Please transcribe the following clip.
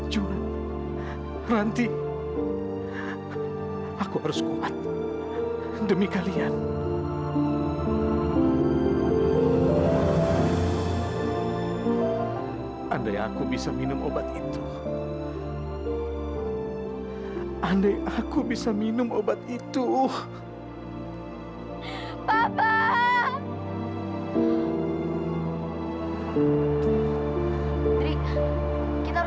jauhkanlah dia dari bahaya ya allah